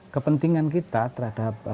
kepentingan kita terhadap